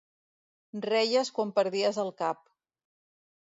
Reies quan perdies el cap.